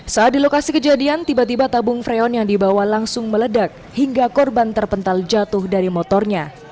saat di lokasi kejadian tiba tiba tabung freon yang dibawa langsung meledak hingga korban terpental jatuh dari motornya